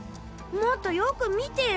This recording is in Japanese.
もっとよく見てよ！